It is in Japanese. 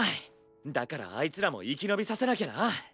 だからあいつらも生き延びさせなきゃな。